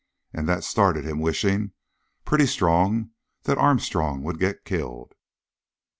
And that started him wishing pretty strong that Armstrong would get killed!"